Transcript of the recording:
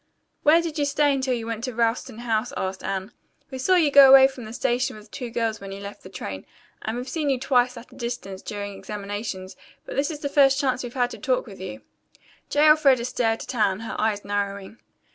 "Where did you stay until you went to Ralston House?" asked Anne. "We saw you go away from the station with two girls when you left the train, and we've seen you twice at a distance during examinations, but this is the first chance we've had to talk with you." J. Elfreda stared at Anne, her eyes narrowing.